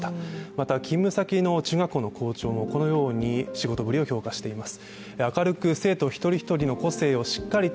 また勤務先の中学校の校長もこのように仕事ぶりを評価しています。